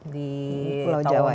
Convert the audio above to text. di pulau jawa ini